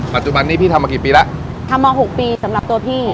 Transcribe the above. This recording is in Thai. ปัจจุบันนี้พี่ทำมากี่ปีแล้วทำมาหกปีสำหรับตัวพี่